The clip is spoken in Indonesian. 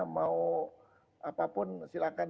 mau apapun silahkan